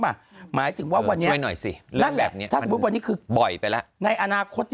ป่ะหมายถึงว่าวันนี้หน่อยสิเรื่องแบบนี้บ่อยไปแล้วในอนาคต